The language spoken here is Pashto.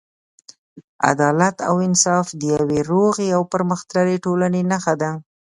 عدالت او انصاف د یوې روغې او پرمختللې ټولنې نښه ده.